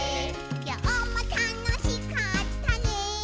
「きょうもたのしかったね」